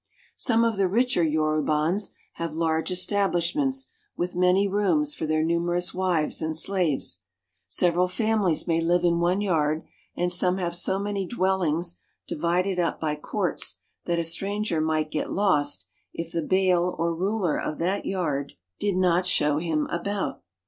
Some of the richer Yorubans have large establishments, with many rooms for their numerous wives and slaves. Several famiiies may live in one yard, and some have so many dwellings divided up by courts that a stranger might get lost if the bale or ruler of that yard did not show him about.